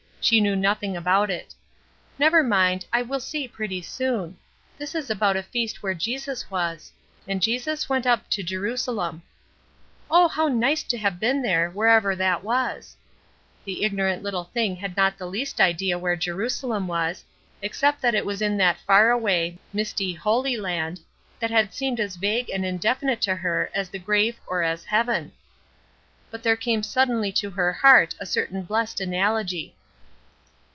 She knew nothing about it. "Never mind, I will see pretty soon. This is about a feast where Jesus was. And Jesus went up to Jerusalem." "Oh, how nice to have been there, wherever that was." The ignorant little thing had not the least idea where Jerusalem was, except that it was in that far away, misty Holy Land, that had seemed as vague and indefinite to her as the grave or as heaven. But there came suddenly to her heart a certain blessed analogy.